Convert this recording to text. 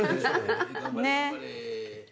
ねえ。